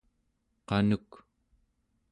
qanuk